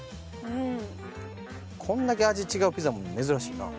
こんだけ味違うピザも珍しいな。